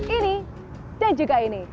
ini dan juga ini